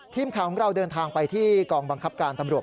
ทีมข่าวของเราเดินทางไปที่กองบังคับการตำรวจ